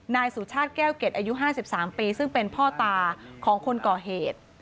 นายสุชาติแก้วเกร็ดอายุ๕๓ปีซึ่งเป็นพ่อตาของคนก่อเหตุ